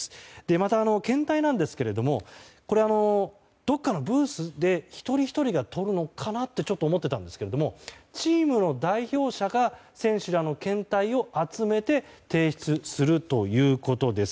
また、検体なんですけれどもどこかのブースで一人ひとりがとるのかなって思っていたんですけれどもチームの代表者が選手らの検体を集めて提出するということです。